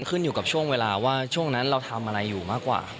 ขึ้นอยู่กับช่วงเวลาว่าช่วงนั้นเราทำอะไรอยู่มากกว่า